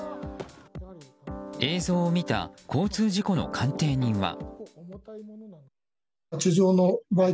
映像を見た交通事故の鑑定人は。